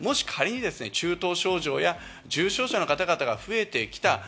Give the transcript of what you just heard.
もし仮に、中等症状や重症者の方が増えてきた。